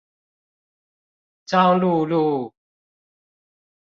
彰鹿路